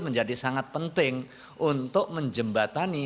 menjadi sangat penting untuk menjembatani